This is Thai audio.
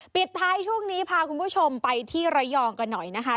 ปิดท้ายช่วงนี้พาคุณผู้ชมไปที่ระยองกันหน่อยนะคะ